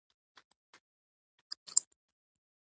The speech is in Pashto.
تور وېښتيان ښکلي ښکاري.